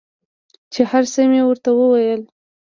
چې هر څه مې ورته وويل.